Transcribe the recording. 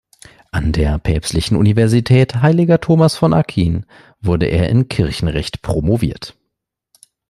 An der Päpstlichen Universität Heiliger Thomas von Aquin wurde er in Kirchenrecht promoviert.